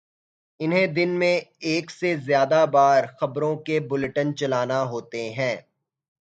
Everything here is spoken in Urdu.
انہیں دن میں ایک سے زیادہ بار خبروں کے بلیٹن چلانا ہوتے ہیں۔